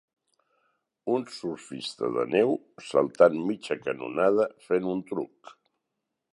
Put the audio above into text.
Un surfista de neu saltant mitja canonada fent un truc.